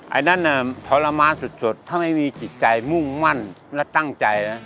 อันนั้นทรมานสุดถ้าไม่มีจิตใจมุ่งมั่นและตั้งใจนะ